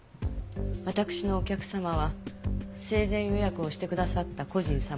わたくしのお客様は生前予約をしてくださった故人様のみ。